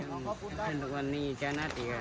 แล้วผมเป็นเพื่อนกับพระนกแต่ผมก็ไม่เคยช่วยเหลือเสียแป้ง